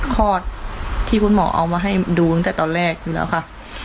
คลอดที่คุณหมอเอามาให้ดูตั้งแต่ตอนแรกอยู่แล้วค่ะ